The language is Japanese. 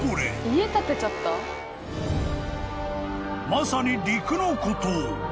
［まさに陸の孤島］